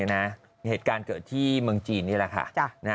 เหตุการณ์เกิดที่เมืองจีนนี่แหละค่ะ